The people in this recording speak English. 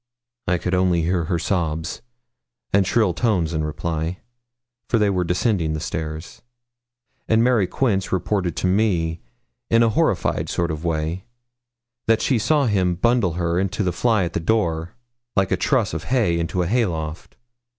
I could only hear her sobs and shrill tones in reply, for they were descending the stairs; and Mary Quince reported to me, in a horrified sort of way, that she saw him bundle her into the fly at the door, like a truss of hay into a hay loft.